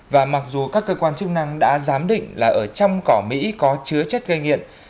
và mặc dù các cơ quan chức năng đã giám định là ở trong cỏ mỹ có chứa chất gây nghiện